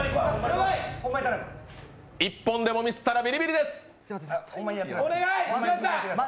１本でもミスったらビリビリです。